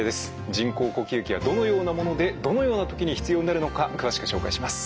人工呼吸器はどのようなものでどのような時に必要になるのか詳しく紹介します。